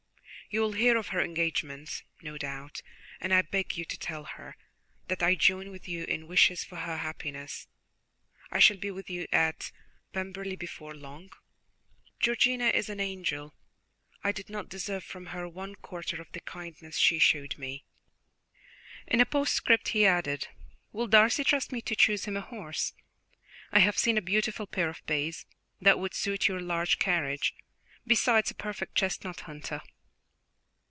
You will hear of her engagement, no doubt, and I beg you to tell her that I join with you in wishes for her happiness. I shall be with you at Pemberley before long. Georgiana is an angel. I did not deserve from her one quarter of the kindness she showed me." In a postscript he added: "Will Darcy trust me to choose him a horse? I have seen a beautiful pair of bays, that would suit your large carriage, besides a perfect chestnut hunter."